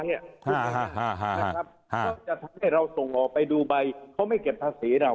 ก็จะทำให้เราส่งออกไปดูใบเขาไม่เก็บภาษีเรา